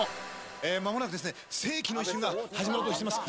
まもなく世紀の一瞬が始まろうとしてます。